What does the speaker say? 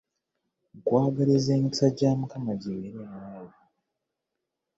Nkwagaliza emikisa gya Mukama gibeere naawe.